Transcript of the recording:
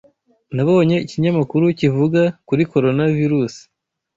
Nabonye ikinyamakuru kivuga kuri corona virus